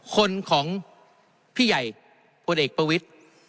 คนของพี่ใหญ่คนเอกประวิท